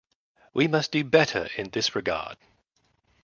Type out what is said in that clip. We must do better in this regard.